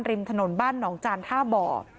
ริมถนนบ้านหนองจานท่าบ่อ